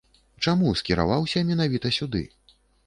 Чаму скіраваўся менавіта сюды?